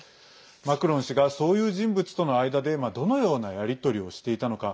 マクロン氏がそういう人物との間でどのようなやり取りをしていたのか。